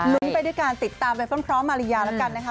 ลุ้นไปด้วยกันติดตามไปพร้อมพร้อมมาริยาแล้วกันนะคะ